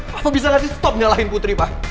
papa bisa gak di stop nyalahin putri pak